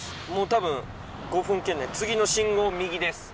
たぶん５分圏内次の信号右です。